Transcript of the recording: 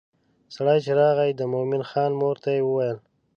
سړی چې راغی د مومن خان مور ته یې وویل.